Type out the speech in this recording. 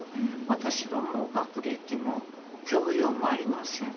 私はもう学歴も教養もありません。